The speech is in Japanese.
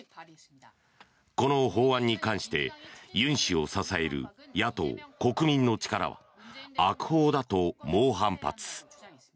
この法案に関して尹氏を支える野党・国民の力は悪法だと猛反発。